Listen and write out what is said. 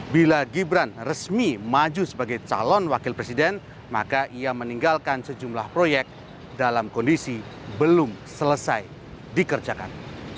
bila gibran resmi maju sebagai calon wakil presiden maka ia meninggalkan sejumlah proyek dalam kondisi belum selesai dikerjakan